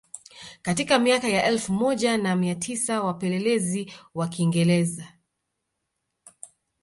Katika miaka ya elfu moja na mia tisa wapelelezi wa Kiingereza